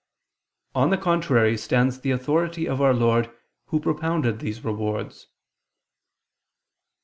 On the contrary, stands the authority of Our Lord Who propounded these rewards.